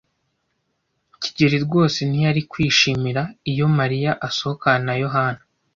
kigeli rwose ntiyari kwishimira iyo Mariya asohokana na Yohana.